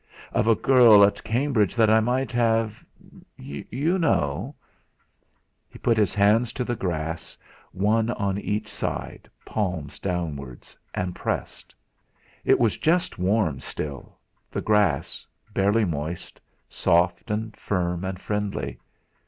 "Of a girl at Cambridge that I might have you know!" He put his hands to the grass, one on each side, palms downwards, and pressed; it was just warm still the grass, barely moist, soft and firm and friendly.